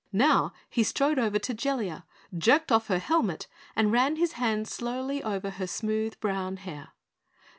Now he strode over to Jellia, jerked off her helmet and ran his hand slowly over her smooth brown hair.